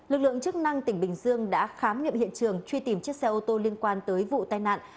lực lượng chức năng tỉnh bình dương đã khám nghiệm hiện trường truy tìm chiếc xe ô tô liên quan tới vụ tai nạn